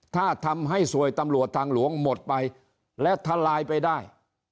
ถ้าทำให้สวยตำรวจทางหลวงหมดไปและทลายไปได้